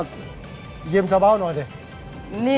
ก็ยินเฉาบาวหน่อยเถอะ